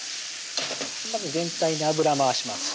まず全体に油回します